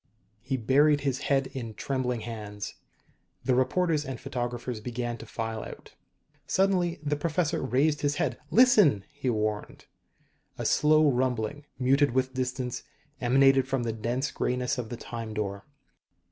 He buried his head in trembling hands. The reporters and photographers began to file out. Suddenly the professor raised his head. "Listen!" he warned. A slow rumbling, muted with distance, emanated from the dense grayness of the Time Door.